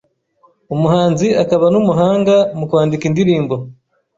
Umuhanzi akaba n’umuhanga mu kwandika indirimbo